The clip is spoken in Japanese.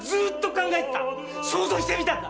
想像してみたんだ。